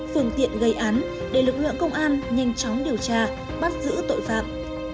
phương tiện gây án để lực lượng công an nhanh chóng điều tra bắt giữ tội phạm